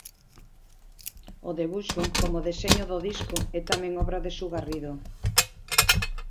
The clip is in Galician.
O debuxo, como o deseño do disco, é tamén obra de Su Garrido.